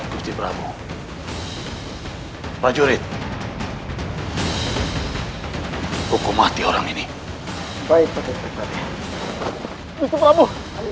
ketika dia berhubungan dengan hamba ini dia akan berhubungan dengan hamba ini